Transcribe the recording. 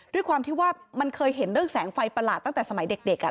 ด้วยความที่ว่ามันเคยเห็นเรื่องแสงไฟประหลาดตั้งแต่สมัยเด็ก